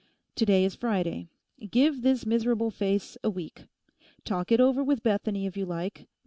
To day is Friday. Give this miserable face a week. Talk it over with Bethany if you like.